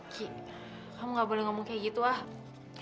ki kamu gak boleh ngomong kayak gitu ah